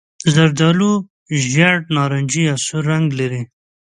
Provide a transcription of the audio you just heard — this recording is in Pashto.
زردالو ژېړ نارنجي یا سور رنګ لري.